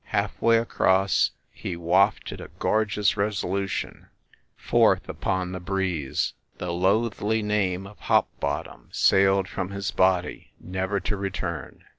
Half way across he wafted a gorgeous resolution forth upon the breeze. The loathly name of Hopbottom sailed from his body, never to return.